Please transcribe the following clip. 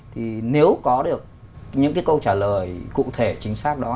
thì nếu có được những cái câu trả lời cụ thể chính xác đó